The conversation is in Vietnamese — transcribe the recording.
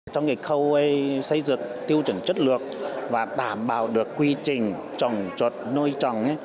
trong nghệ khâu xây dựng tiêu chuẩn chất lượng và đảm bảo được quy trình trồng trột nôi trồng